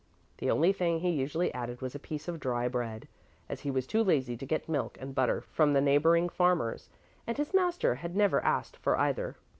The only thing he usually added was a piece of dry bread, as he was too lazy to get milk and butter from the neighboring farmers, and his master had never asked for either.